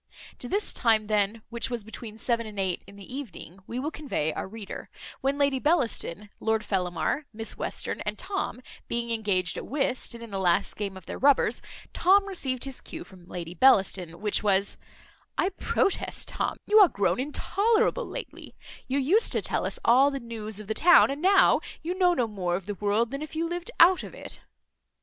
To this time then, which was between seven and eight in the evening, we will convey our reader; when Lady Bellaston, Lord Fellamar, Miss Western, and Tom, being engaged at whist, and in the last game of their rubbers, Tom received his cue from Lady Bellaston, which was, "I protest, Tom, you are grown intolerable lately; you used to tell us all the news of the town, and now you know no more of the world than if you lived out of it."